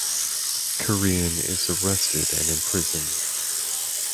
Kurien is arrested and imprisoned.